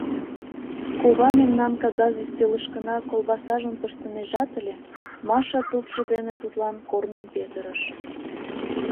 Кува мемнан кагаз-ӱстелышкына колбасажым пыштынежат ыле, Маша тупшо дене тудлан корным петырыш.